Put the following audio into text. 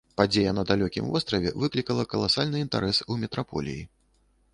Падзея на далёкім востраве выклікала каласальны інтарэс у метраполіі.